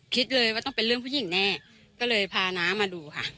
คิดเลยว่าต้องเป็นเรื่องผู้หญิงแน่ก็เลยพาน้ามาดูค่ะ